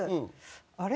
あれ？